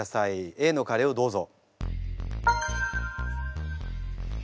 Ａのカレーをどうぞ。